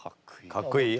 かっこいい。